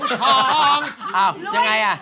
กินก่อนเลยเพราะว่าเรา๑๘จาน